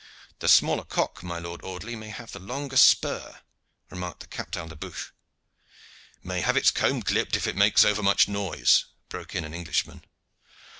"The smaller cock, my Lord Audley, may have the longer spur," remarked the Captal de Buch. "May have its comb clipped if it make over much noise," broke in an Englishman.